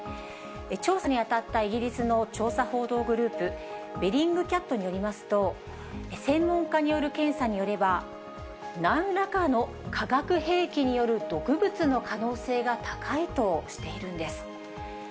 調査に当たったイギリスの調査報道グループ、ベリングキャットによりますと、専門家による検査によれば、なんらかの化学兵器による毒物の可能性が高いとしているんです。